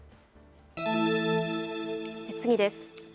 次です。